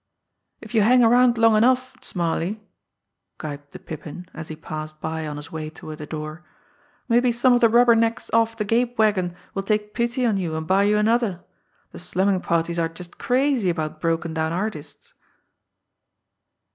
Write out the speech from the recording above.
"If you hang around long enough, Smarly," gibed the Pippin, as he passed by on his way toward the door, "maybe some of the rubber necks off the gape wagon will take pity on you and buy you another the slumming parties are just crazy about broken down artists!"